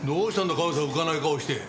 カメさん浮かない顔して。